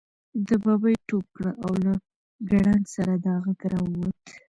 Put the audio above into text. ببۍ ټوپ کړه او له کړنګ سره دا غږ را ووت.